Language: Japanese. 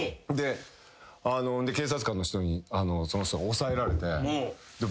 警察官の人にその人がおさえられて僕に。